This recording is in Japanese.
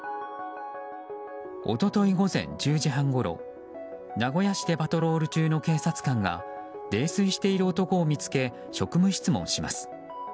一昨日午前１０時半ごろ名古屋市でパトロール中の警察官が泥酔している男を見つけ職務質問します。